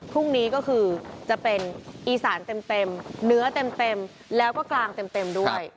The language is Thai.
พรุ่งนี้ก็คือจะเป็นอีสานเต็มเนื้อเต็มแล้วก็กลางเต็มด้วย